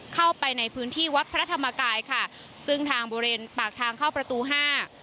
เข้าไปในพื้นที่วัดพระธรรมกายค่ะซึ่งทางบริเวณปากทางเข้าประตูห้า